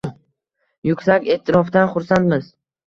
Yuksak eʼtirofdan xursandmiz